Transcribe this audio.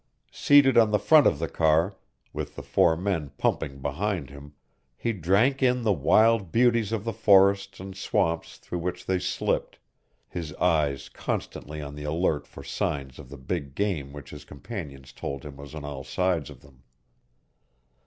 Seated on the front of the car, with the four men pumping behind him, he drank in the wild beauties of the forests and swamps through which they slipped, his eyes constantly on the alert for signs of the big game which his companions told him was on all sides of them.